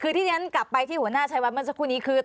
คือที่ฉันกลับไปที่หัวหน้าชัยวัดเมื่อสักครู่นี้คือ